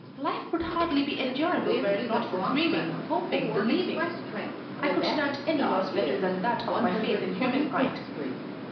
Life would hardly be endurable were it not for dreaming, hoping, believing. I could stand any loss better than that of my faith in humankind."